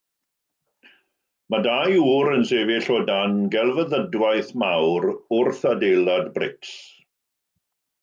Mae dau ŵr yn sefyll o dan gelfyddydwaith mawr wrth adeilad brics.